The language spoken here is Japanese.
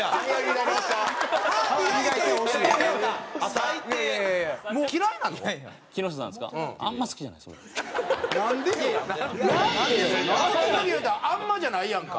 そこまで言うたら「あんま」じゃないやんか。